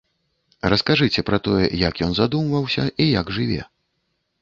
Раскажыце пра тое, як ён задумваўся і як жыве.